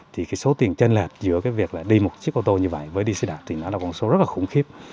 thì số tiền chân lệch giữa việc đi một chiếc ô tô như vậy với đi xe đạp thì nó là một số rất là khủng khiếp